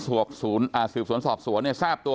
สวบศูนย์อ่าสุดสนสอบสวนเนี้ยทราบตัว